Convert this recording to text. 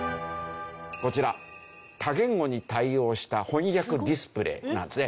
こちら多言語に対応した翻訳ディスプレイなんですね。